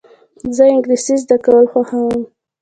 زه انګلېسي زده کول خوښوم.